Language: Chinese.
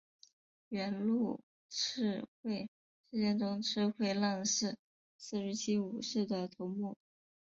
元禄赤穗事件中赤穗浪士四十七武士的头目。